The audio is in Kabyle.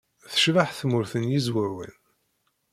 Tecbeḥ Tmurt n Yizwawen.